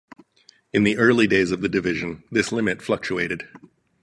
In the early days of the division, this limit fluctuated.